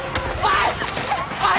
おい！